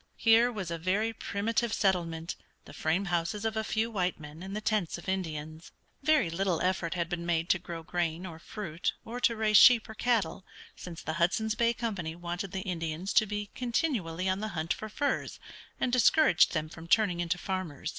Here was a very primitive settlement, the frame houses of a few white men and the tents of Indians. Very little effort had been made to grow grain or fruit or to raise sheep or cattle, since the Hudson's Bay Company wanted the Indians to be continually on the hunt for furs, and discouraged them from turning into farmers.